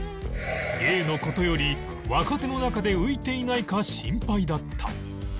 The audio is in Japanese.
芸の事より若手の中で浮いていないか心配だった